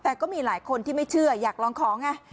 แต่ก็มีหลายคนที่ไม่เชื่ออยากลองของไง